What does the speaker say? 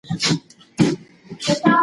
د کار شرایط غیر صحي وو